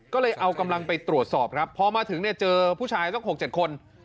ก็เลยเอากำลังไปตรวจสอบครับพอมาถึงเนี่ยเจอผู้ชายสัก๖๗คน